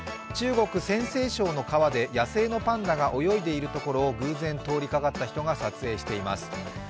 中国・陝西省の川で野生のパンダが泳いでいるところを偶然通りかかった人が撮影しています。